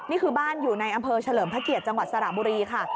นี่คือบ้านอยู่ในอำเภอเฉลิมพระเกียรติจังหวัดสระบุรีค่ะ